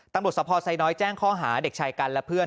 ตำรวจสภไซน้อยแจ้งข้อหาเด็กชายกันและเพื่อน